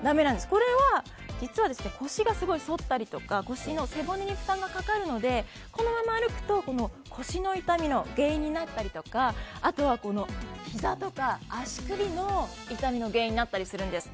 これは実は腰がそったり背骨に負担がかかるのでこのまま歩くと腰の痛みの原因になったりとかあとはひざとか、足首の痛みの原因になったりするんです。